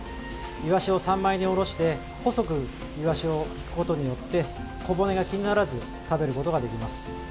イワシを三枚におろして細くイワシをひくことによって小骨が気にならず食べることができます。